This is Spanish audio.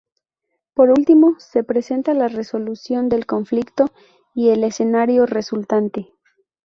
Por último se presenta la resolución del conflicto, y el escenario resultante.